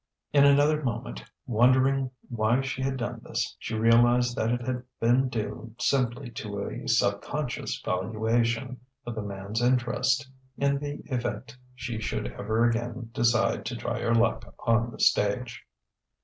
In another moment, wondering why she had done this, she realized that it had been due simply to a subconscious valuation of the man's interest, in the event she should ever again decide to try her luck on the stage....